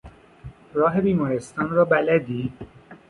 راه بیمارستان را بلدی؟